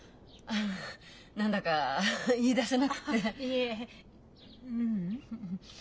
あ何だか言いだせなくて。いえううん。